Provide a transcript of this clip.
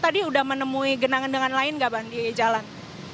tadi sudah menemui genangan genangan lain nggak bang di jalan